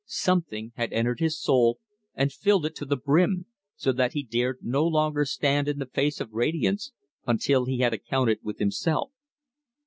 Something had entered his soul and filled it to the brim, so that he dared no longer stand in the face of radiance until he had accounted with himself.